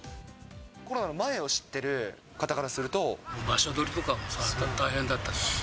コロナの前を知ってる方から場所取りとかも大変だったし。